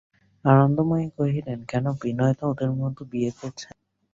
আনন্দময়ী কহিলেন, কেন, বিনয় তো ওদের মতে বিয়ে করছে না।